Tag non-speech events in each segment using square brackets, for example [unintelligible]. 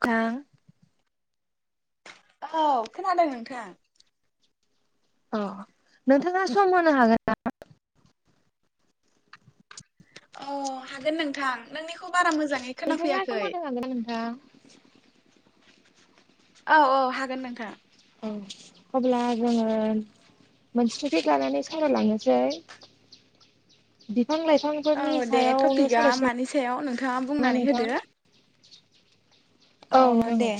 थां औ खोनादों नोंथां। अ नोंथाङा दा समनो हागोन अ हागोन नोंथां। नोंनिखौ बारा मोजाङै नोंथाङा खोनाफैयाखै समहोनो हागोन ना नोंथां? औ औ हागोन नोंथां। औ अब्ला जोङो मोनसे थपिकि लानानै सावराय लांनोसै। बिफां लाइफांफोरनि सायावनो सावरायनिसै नामा? बेनि सायाव नोंथाङा बुंनानै नोंथां? होदो। अ औ नोंथां दे औ।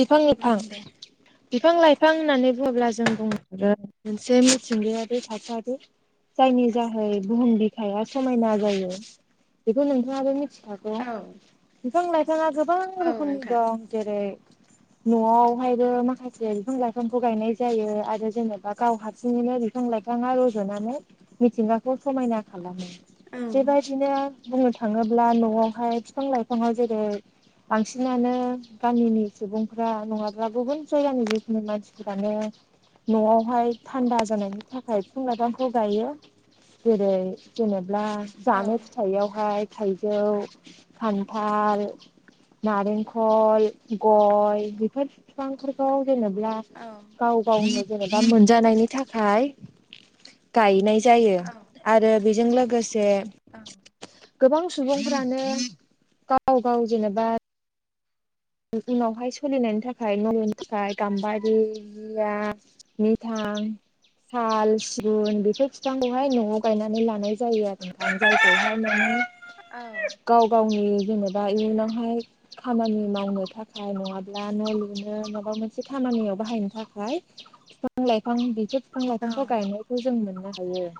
बिफां उम लाइफां दे बिफां लाइफां होननानै बुङोब्ला जों बुंनांगोन मोनसे मिथिंगायारि थासारि जायनि जाहै बुहुम बिखाया समायना जायो बेखौ नोंथाङाबो मिथिखा गौ। औ बिफां लाइफाङा गोबां औ रोखोमनि नोंथां दं जेरै न'आवहायबो माखासे बिफां लाइफांखौ गायनाय जायो आरो जेनेबा गाव हारसिंयैनो बिफां लाइफाङा रज'नानै मिथिंगाखौ समायना खालामो। औ बेबायदिनो बुंनो थाङोब्ला न'आवहाय बिफां लाइफाङाव जेरै बांसिनानो गामिनि सुबुंफ्रा नङाब्ला गुबुन जायगानि जिखिनि मानसिफोरानो न'आवहाय थान्दा जानायनि थाखाय [unintelligible] लाइफांखौ गायो जेरै जेनेब्ला जानो औ फिथाइयावहाय थाइजौ खान्थाल नारेंखल [unintelligible] गय बेफोर फिफांफोरखौ जेनेब्ला औ गाव गावनो जेनेबा मोनजानायनि थाखाय गायनाय जायो औ आरो बेजों लोगोसे गोबां सुबुंफ्रानो गाव-गाव जेनेबा उनावहाय सोलिनायनि थाखाय नलुनो थाखाय गाम्बारि जिया निथां साल सिगुन बेफोर फिफांखौहाय न'आव गायनानै लानाय जायो आरो [unintelligible] [unintelligible] औ गाव-गावनि जेनेबा इयुनावहाय खामानि मावनो थाखाय नङाब्ला न' लुनो माबा मोनसे खानियाव बाहायनो थाखाय [unintelligible] लाइफां बिफोर फिफां लाइफांखौ गायनायखौ जों मोननो हायो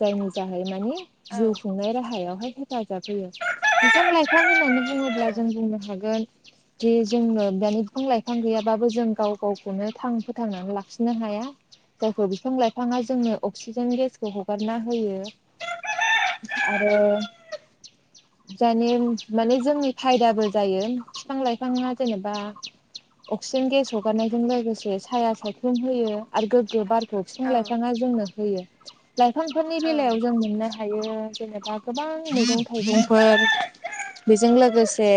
जायनि जाहै मानि जिउ खुंनाय राहायावहाय हेफाजाब होयो [unintelligible] औ बुङोब्ला जों बुंनो हागोन जे जोंनो दानि बिफां लाइफां गैयाबाबो जों गाव गावखौनो थां फोथांनानै लाखिनो हाया जायखौ बिफां लाइफाङा जोंनो अक्सिजेन गेसखौ हगारना होयो औ [unintelligible] आरो नंगौ दानि माने जोंनि फायदाबो जायो फिफां लाइफाङा जेनेबा अक्सिजेन गेस हगारनायजों लोगोसे साया सायखुम होयो आरो गोग्गो बार [unintelligible] औ फिफां लाइफाङा जोंनो होयो। लाइफांफोरनि औ बेलायाव जों मोननो थायो जेनेबा गोबां मैगं थाइगंफोर बेजों लोगोसे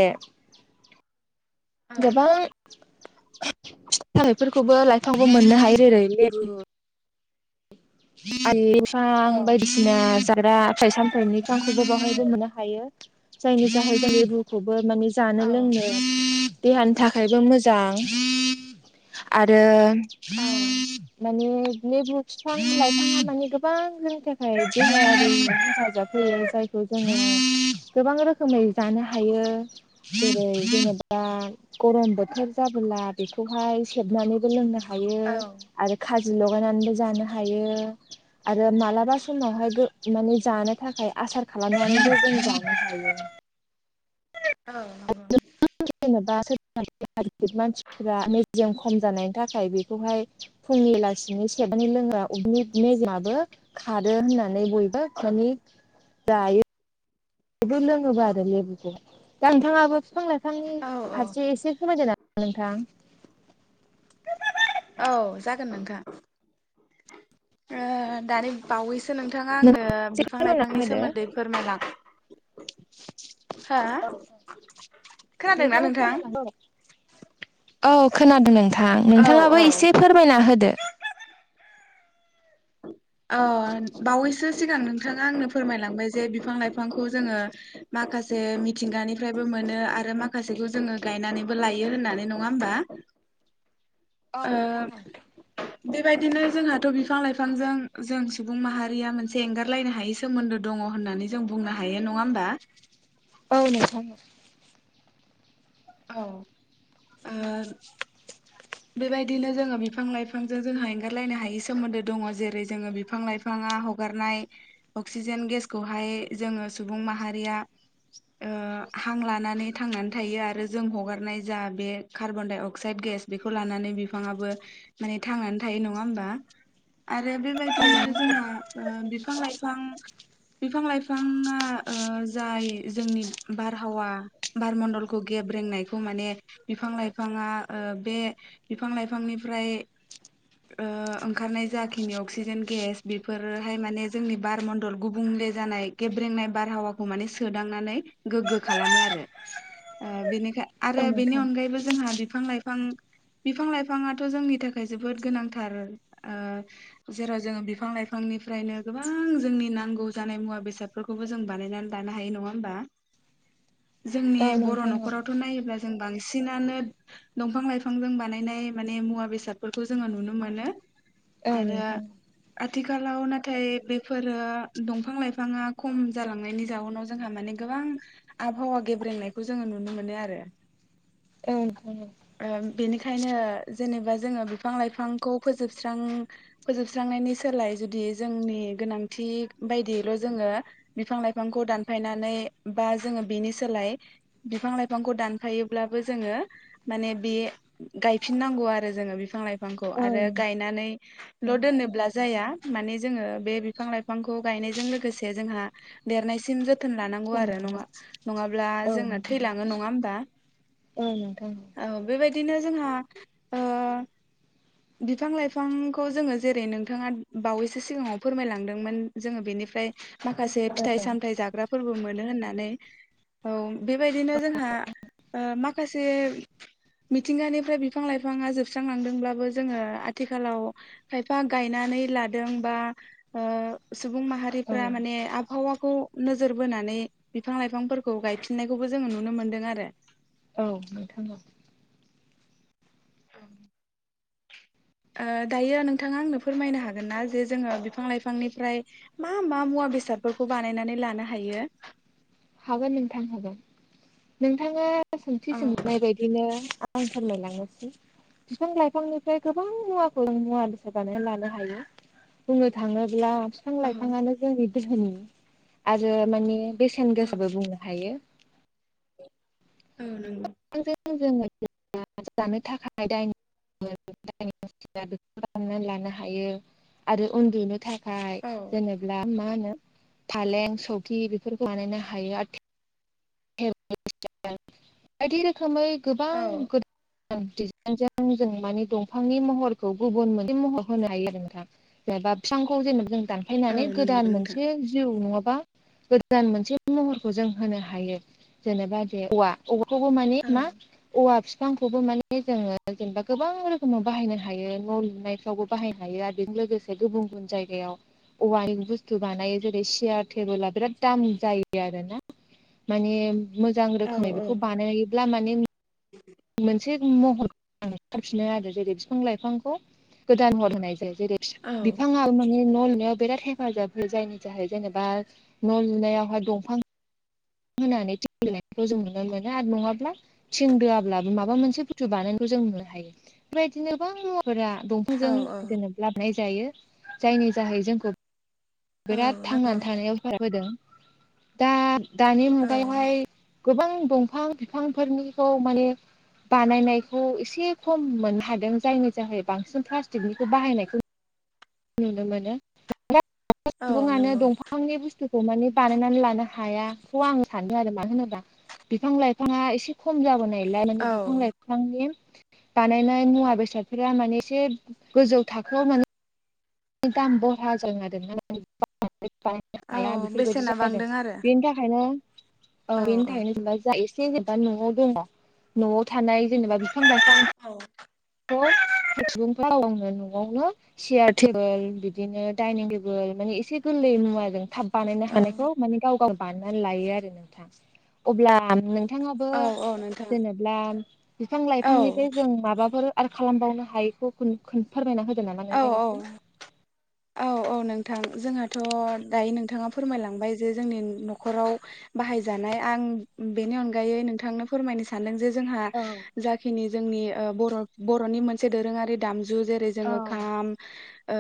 औ गोबां [unintelligible] लाइफांबो मोननो हायो जेरै लेबु [unintelligible] [unintelligible] हायो जायनि जाहै [unintelligible] माने जानो औ लोंनो [unintelligible] देहानि थाखायबो मोजां आरो औ माने [unintelligible] [unintelligible] खौ जोङो [unintelligible] गोबां रोखोमै जानो हायो जेरै जेनेबा गरम बोथोर जाबोला बेखौहाय सेबनानैबो लोंनो हायो आरो खाजि लगायनानैबो जानो हायो आरो मालाबा समावहाय गो माने जानो थाखाय आसार खालामनानैबो जों जानो हायो औ [unintelligible] मेजेम खम जानायनि थाखाय बेखौहाय फुंनि लासिनि [unintelligible] [unintelligible] मेजेमआबो खारो होननानै बयबो मानि जायो [unintelligible] लोङोबा आरो लेबुखौ दा नोंथाङाबो फिफां लाइफांनि औ औ फारसे एसे [unintelligible] नोंथां औ जागोन नोंथां ओ दानि बावैसो नोंथाङा आंनो एसे बिफां फोरमायना लाइफांनि सोमोन्दै फोरमायलां हो [unintelligible] नोंथां फोरमायलां औ औ खोनादो नोंथां औ नोंथाङाबो औ एसे फोरमायना होदो औ बावैसो सिगां नोंथाङा आंनो फोरमायलांबाय जे बिफां लाइफांखौ जोङो माखासे मिथिंगानिफ्रायबो मोनो आरो माखासेखौ जोङो गायनानैबो लायो होननानै नङा होमबा औ नोंथां ओ बेबायदिनो जोंहाथ' बिफां लाइफांजों जों सुबुं माहारिया मोनसे एंगारलायनो हायिस सोमोन्दो दङ होननानै जों बुंनो हायो नङा होमबा औ नोंथां औ ओ बेबायदिनो जोङो बिफां लाइफांजों जोंहा एंगारलायनो हायि सोमोन्दो दङ जेरै जोङो बिफां लाइफ बिफाङा हगारनाय अक्सिजेन गेसखौहाय जोङो सुबुं माहारिया ओ हां लानानै थांनानै थायो आरो जों हगारनाय जा बे कार्बन डाइ अक्साइद गेस बेखौ लानानै बिफाङाबो माने थांनानै थायो नङा होमबा आरो औ बेबायदिनो जोंहा बिफां लाइफां बिफां लाइफाङा जाय जोंनि बारहावा बारमणडलखौ गेब्रेंनायखौ माने ओ बिफां लाइफाङा बे बिफां लाइफांनिफ्राय ओ ओंखारनाय जाखिनि अक्सिजेन गेस बेफोरोहाय माने जोंनि बारमण्डल गुबुंले जानाय गेब्रेंनाय बारहावाखौ माने सोदांनानै गोग्गो खालामो आरो ओ बेनिखाय आरो बेनि नोंथां अनगायैबो जोंहा बिफां लाइफां फां बिफां लाइफाङाथ' जोंनि थाखाय जोबोद गोनांथार ओ जेराव जोङो बिफां लाइफांनिफ्रायनो गोबां जोंनि नांगौ जानाय मुवा बेसाद बेफोरखौबो जों बानायनानै लानो हायो नङा होमबा जोंनि औ बर' नोंथां न'खरावथ' नायोब्ला जों बांसिनानो दंफां लाइफांजों बानायनाय माने मुवा बेसादफोरखौ जोङो नुनो मोनो। औ आरो। नोंथां आथिखालाव नाथाय बेफोरो दंफां लाइफाङा खम जालांनायनि जाउनाव जोंहा माने गोबां आबहावा गेब्रेंनायखौ जोङो नुनो मोनो आरो। औ। ओ बेनिखायनो जेनेबा जोङो बिफां लाइफांखौ फोजोबस्रां फोजोबस्रांनायनि सोलाय जुदि जोंनि गोनांथि बायदियैल' जोङो बिफां लाइफांखौ दानफायनानै बा जोङो बेनि सोलाय बिफां लाइफांखौ दानफायोब्लाबो जोङो माने बे गायफिननांगौ आरो जोङो बिफां लाइफां बिफांखौ औ आरो नोंथां गायनानैल' दोनोब्ला जाया माने जोङो बे बिफां लाइफांखौ गायनायजों लोगोसे जोंहा देरनायसिम जोथ जोथोन लानांगौ औ आरो नोंथां। नङा नङाब्ला औ जोंना थैलाङो नङा होमबा। औ नोंथां। औ बेबायदिनो जोंहा ओ बिफां लाइफांखौ जोङो जेरै नोंथाङा बावैसो सिगाङाव फोरमायलांदोंमोन जोङो बेनिफ्राय माखासे फिथाइ सामथाइ जाग्राफोरबो मोनो होननानै औ बेबायदिनो जोंहा माखासे मिथिंगानिफ्राय बिफां लाइफाङा जोबस्रांलांदोंब्लाबो जोङो आथिखालाव खायफा गायनानै लादों बा ओ सुबुं माहारि औ रिफ्रा माने आबहावाखौ नोजोर बोनानै बिफां लाइफांफोरखौ गायफिननायखौबो जोङो नुनो मोन्दों आरो औ नोंथां औ। [inaudible] दायो नोंथाङा आंनो फोरमायनो हागोनना जे जोङो बिफां लाइफांनिफ्राय मा मा मुवा बेसादफोरखौ बानायनानै लानो हायो। हागोन नोंथां हागोन नोंथाङा औ सोंथि सोंनाय बायदिनो। आं फोरमायलांनोसै बिफां लाइफांनिफ्राय गोबां मुवाखौ मुवा बेसाद बानायनानै लानो हायो बुंनो थाङोब्ला। बिफां औ लाइफांआनो जोंनि दोहोनि आरो माने बेसेन औ गोसाबो बुंनो हायो। औ नंगौ। बिफां जोङो जानो थाखाय दायनि बे खालामनानै लानो हायो आरो उन्दुनो थाखाय ओमफ्राय औ जेनेब्ला मा होनो फालें सौखि बेफोरखौ बानायनो हायो आरो। [unintelligible] बायदि रोखोमै गोबां औ [unintelligible] जों माने दंफांनि महरखौ गुबुन मोनसे महर होनो हायो आरो नोंथां। जेनेबा बिफांखौ जेनेबा जों दान औ नानै नंगौ गोदान नोंथां मोनसे जिउ नङाबा गोदान मोनसे महरखौ जों होनो हायो। जेनेबा दे औवा औवाखौबो मानि औ मा औवा बिफांखौबो माने जोङो जेनेबा गोबां रोखोमाव बाहायनो हायो न' लुनाय बाहायनो हायो आरो बेजों लोगोसे गुबुन गुबुन जायगायाव औवानि बुस्थु बानायो जेरै सेयार टेबोल बिराद दामि जायो आरोना। माने मोजां औ रोखोमै बेखौ बानायब्ला माने [inaudible] मोनसे महर लाफिनो आरो जेरै बिफां लाइफांखौ गोदान महर होनाय जायो जेरै औ बिफां माने न' लुनायाव बिराद हेफाजाब जायनि थाखाय जेनेबा न' लुनायावहाय दंफां होनानै थिं दोनायखौ जों नुनो मोनो आरो नङाब्ला थिं दोआब्लाबो माबा मोनसे बुस्थु बानायखौ जों नुनो हायो बेदिनो गोबां मुवाफोरा औ औ दं। [unintelligible] लाब जायो जायनि जाहै जोंखौ बिराद औ नंगौ थांनानै थानायाव [inaudible] बोदों दा दानि औ मुगायावहाय गोबां दंफां बिफांफोरनिखौ माने बानायनायखौ एसे खम मोननो हादों जायनि जोहै बांसिन प्लास्टिकनिखौ बाहायनायखौ नुनो मोनो [unintelligible] औ सुबुङानो नंगौ दंफांनि बुस्थु खौ माने बानायनानै लानो हायाखौ आं सानो आरो मानो होनोबा बिफां लाइफाङा एसे खम जाबोनायलाय माने औ बिफां लाइफां दंफांनि बानायनाय मुवा बेसादफोरा माने इसे गोजौ थाखोआव मो दाम बह्रा [unintelligible] हाया औ बेफोरबायदि बेसेना जादों बांदों आरो बेनि थाखायनो औ औ बेनि थाखायनो जेनेबा [unintelligible] जेनेबा न'आव दङ न'आव थानाय जेनेबा बिफां लाइफां औ [unintelligible] न'आवनो सियार टेबोल बिदिनो डाइनिं टेबोल मानि एसे गोरलै मुवााजों थाब बानायनो औ औ हानायखौ माने गाव गाव बानायनानै लायो आरो नोंथां अब्ला [unintelligible] बिफाङाबो औ औ नोंथां जेनेबा बिफां औ लाइफांनिफ्राय जों माबाफोर आर खालामबावनो हायैखौ फोरमायना होदों नामा औ नोंथां इसि? औ औ औ नोंथां जोंहाथ' दायो नोंथाङा फोरमायलांबाय जे जोंनि न'खराव बाहायजानाय आं बेनि अनगायै नोंथांनो फोरमायनो सानदों जे जोंहा औ जा खिनि जोंनि ओ बर' बर'नि मोनसे दोरोङारि दामजु जेरै औ जोङो खाम ओ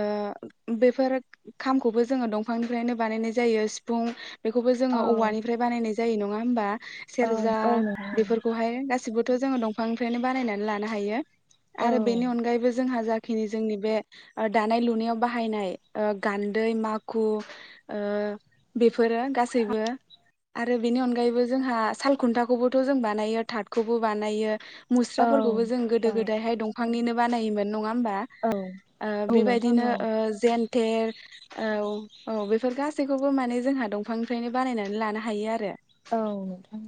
बेफोर खामखौबो जोङो दंफांनिफ्रायनो बानायनाय जायो सिफुं बेखौबो जोङो औवानिफ्राय बानायनाय जायो नङा होमबा? औ सेरजा औ नोंथां बेफोरखौहाय गासिबो जोङो दंफांनिफ्रायनो बानायनानै लानो हायो औ आरो बेनि अनगायैबो जोंहा जा खिनि जोंनि बे दानाय लुनायाव बाहायनाय गान्दै माखु ओ बेफोरो गासैबो आरो बेनि अनगायैबो जोंहा सालखुन्थाखौबोथ' जों बानायो थाथखौबो बानायो। औ मुस्राफोरखौबो जों गोदो गोदायहाय दंफांनिनो बानायोमोन नङा होमबा? औ नोंथां बेबायदिनो औ जेन्थेर औ औ बेफोर गासैखौबो माने जोंहा दंफांनिफ्रायनो बानायनानै लानो हायो आरो। औ नोंथां।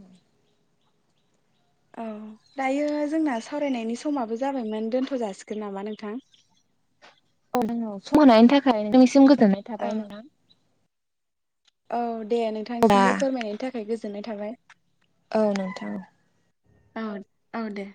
औ दायो जोंना सावरायनायनि समाबो जाबायमोन दोनथ' जाासिगोन नामा नोंथां? औ औ सम होनायनि थाखाय नोंसिम गोजोननाय थाबाय औ नोंथां। औ दे अब्ला नोंथांसिमबो फोरमायनायनि थाखाय गोजोननाय थाबाय। औ नोंथां। औ औ दे।